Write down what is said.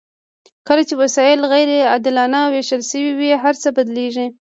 کله چې وسایل غیر عادلانه ویشل شوي وي هرڅه بدلیږي.